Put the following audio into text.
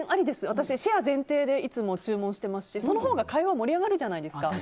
私シェア前提でいつも注文してますしそのほうが会話が盛り上がるじゃないですか。